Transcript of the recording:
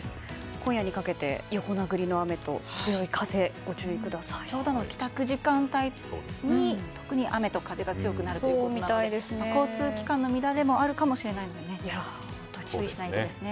今夜にかけて横殴りの雨と強い風にちょうど帰宅時間帯に特に雨と風が強くなるということで交通機関の乱れもあるかもしれないので本当に注意しないとですね。